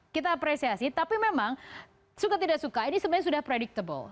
kita apresiasi tapi memang suka tidak suka ini sebenarnya sudah predictable